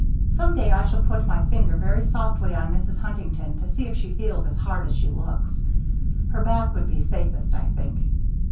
Some day I shall put my finger very softly on Mrs. Huntington to see if she feels as hard as she looks. Her back would be safest I think.